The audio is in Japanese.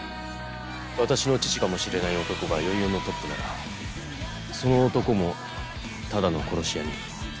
私の父かもしれない男が４４のトップならその男もただの殺し屋に？